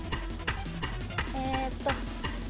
えーっと。